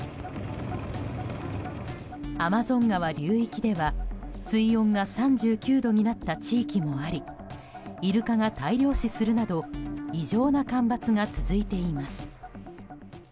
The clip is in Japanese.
アマゾン川流域では水温が３９度になった地域もありイルカが大量死するなど異常な干ばつが続いています。